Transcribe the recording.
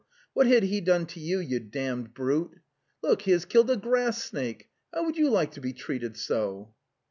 What had he done to you, you damned brute? Look, he has killed a grass snake; how would you like to be treated so?"